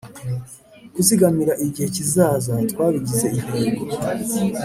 Kuzigamira igihe kizaza twabigize intego